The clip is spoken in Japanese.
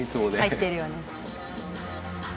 入ってるよね。